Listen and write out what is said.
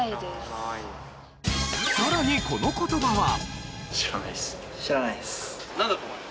さらにこの言葉は？